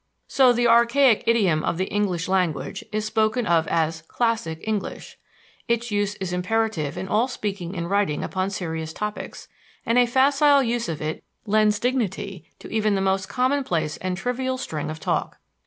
So the archaic idiom of the English language is spoken of as "classic" English. Its use is imperative in all speaking and writing upon serious topics, and a facile use of it lends dignity to even the most commonplace and trivial string of talk.